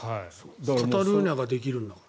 カタルーニャができるんだから。